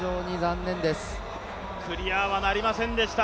クリアはなりませんでした。